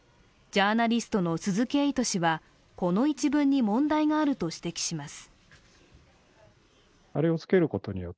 ジャーナリストの鈴木エイト氏はこの一文に問題があると指摘します。